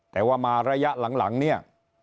แต่ว่ามาระยะหลังเนี่ย